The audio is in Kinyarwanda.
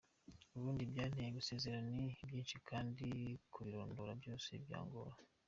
Ubundi ibyanteye gusezera ni byinshi kandi kubirondora byose byangora.